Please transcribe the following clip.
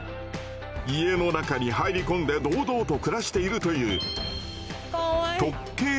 家の中に入り込んで堂々と暮らしているというトッケイヤモリです。